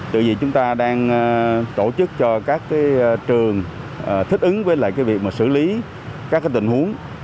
tự vì chúng ta đang tổ chức cho các trường thích ứng với việc xử lý các tình huống